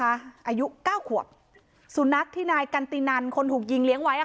อายุเก้าขวบสุนัขที่นายกันตินันคนถูกยิงเลี้ยงไว้อ่ะ